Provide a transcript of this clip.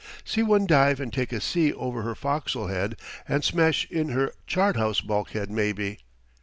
See one dive and take a sea over her fo'c's'le head and smash in her chart house bulkhead maybe!